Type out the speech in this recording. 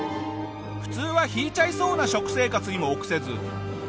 普通は引いちゃいそうな食生活にも臆せず。